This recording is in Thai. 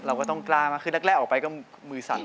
เราก็ต้องกล้ามากคือแรกออกไปก็มือสั่น